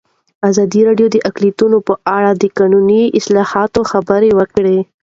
ازادي راډیو د اقلیتونه په اړه د قانوني اصلاحاتو خبر ورکړی.